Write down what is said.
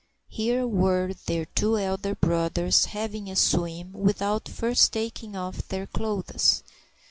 Here were their two elder brothers having a swim without first taking off their clothes.